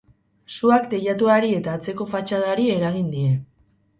Suak teilatuari eta atzeko fatxadari eragin die.